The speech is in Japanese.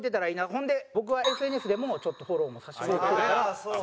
ほんで僕はＳＮＳでもちょっとフォローもさせてもらったりとか。